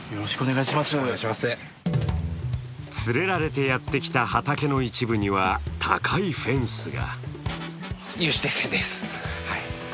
連れられてやってきた畑の一部には高いフェンスが。